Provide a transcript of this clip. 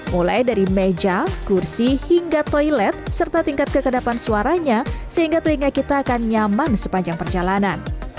mulai dari meja kursi hingga toilet serta tingkat kekedapan suaranya sehingga telinga kita akan nyaman sepanjang perjalanan